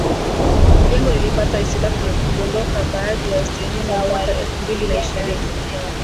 Jengo lilipata hitilafu na kudondoka baadhi ya sehemu mwaka elfu mbili na ishirini